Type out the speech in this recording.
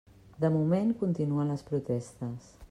De moment, continuen les protestes.